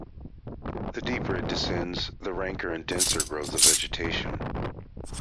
The deeper it descends, the ranker and denser grows the vegetation.